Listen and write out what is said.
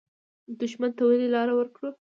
دښمن ته ولې لار ورکړو؟